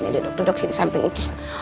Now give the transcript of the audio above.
duduk duduk sini sampai ngucus